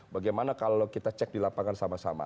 bagaimana kalau kita cek di lapangan sama sama